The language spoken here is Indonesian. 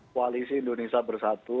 koalisi indonesia bersatu